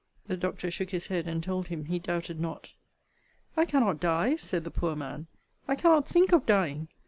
The doctor shook his head, and told him, he doubted not. I cannot die, said the poor man I cannot think of dying.